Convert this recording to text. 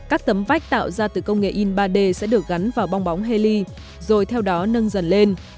các tấm vách tạo ra từ công nghệ in ba d sẽ được gắn vào bong bóng haley rồi theo đó nâng dần lên